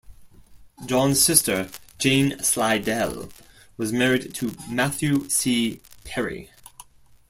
John's sister, Jane Slidell, was married to Matthew C. Perry.